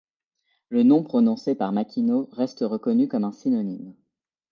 Le nom proposé par Makino reste reconnu comme un synonyme.